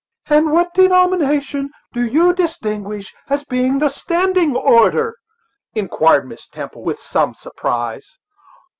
"And what denomination do you distinguish as the standing order?" inquired Miss Temple, with some surprise.